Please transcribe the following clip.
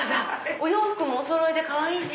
お洋服もおそろいでかわいいね。